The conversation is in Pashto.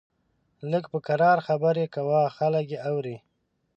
لږ په کرار خبرې کوه، خلک يې اوري!